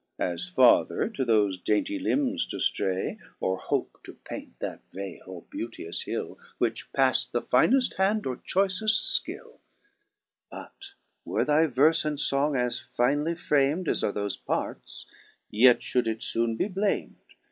As farther to thofe dainty limbs to ftray. Or hope to paint that vale or beautious hill Which paft the fineft hand or choyceft fkill : But were thy verfe and fong as finely fram'd As are thofe parts, yet ftiould it foone be blam'd.